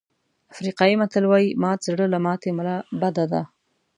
افریقایي متل وایي مات زړه له ماتې ملا بده ده.